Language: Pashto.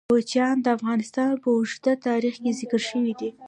کوچیان د افغانستان په اوږده تاریخ کې ذکر شوی دی.